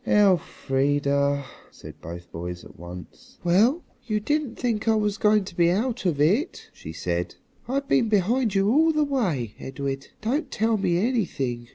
"Elfrida!" said both boys at once. "Well, you didn't think I was going to be out of it," she said. "I've been behind you all the way, Edred. Don't tell me anything.